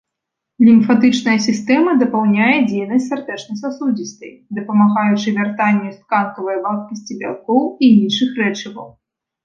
Лімфатычная сістэма дапаўняе дзейнасць сардэчна-сасудзістай, дапамагаючы вяртанню з тканкавай вадкасці бялкоў і іншых рэчываў.